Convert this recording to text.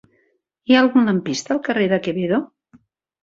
Hi ha algun lampista al carrer de Quevedo?